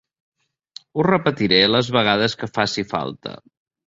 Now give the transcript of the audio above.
Ho repetiré les vegades que faci falta.